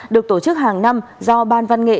được tổ chức hàng năm do ban văn nghệ